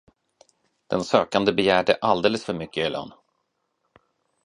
Den sökande begärde alldeles för mycket i lön.